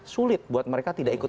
sulit buat mereka tidak ikut